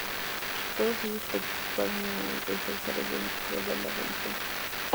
Todos ellos participaron en el intenso desarrollo industrial de la región.